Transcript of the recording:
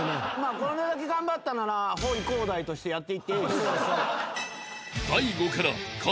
これだけ頑張ったならほい航大としてやっていってええ。